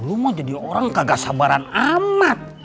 lo mah jadi orang kagak sabaran amat